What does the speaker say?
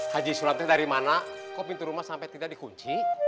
haji surat itu dari mana kok pintu rumah sampai tidak dikunci